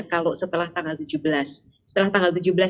kalau setelah tanggal tujuh belas setelah tanggal